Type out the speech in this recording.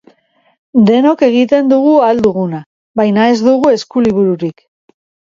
Denok egiten dugu ahal duguna, baina ez dugu eskulibururik.